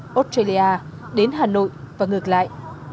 australia đến hà nội và ngược lại